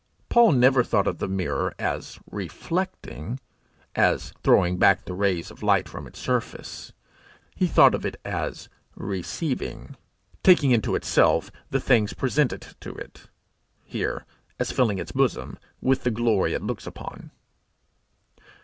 Paul never thought of the mirror as reflecting, as throwing back the rays of light from its surface; he thought of it as receiving, taking into itself, the things presented to it here, as filling its bosom with the glory it looks upon.